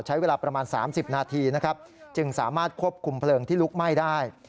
ใช้เวลาประมาณ๓๐นาทีนะครับจึงสามารถควบคุมเพลิงที่ลุกไหม้ได้